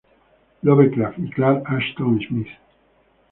Lovecraft y Clark Ashton Smith.